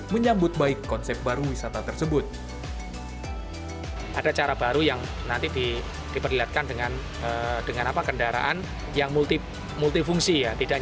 menyambut baik konsep baru wisata tersebut